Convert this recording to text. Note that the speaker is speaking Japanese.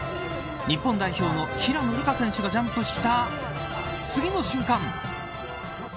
日本代表の平野流佳選手がジャンプした次の瞬間。